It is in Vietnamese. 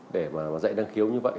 để mà dạy đăng kiếu như vậy